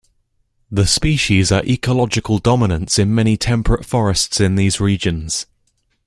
The species are ecological dominants in many temperate forests in these regions.